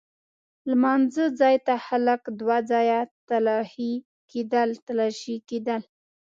لمانځه ځای ته خلک دوه ځایه تلاښي کېدل.